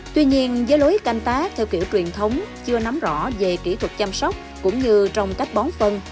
tuy nhiên với lối canh tác theo kiểu truyền thống chưa nắm rõ về kỹ thuật chăm sóc cũng như trong cách bón phân